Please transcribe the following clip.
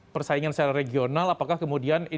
persaingan secara regional apakah kemudian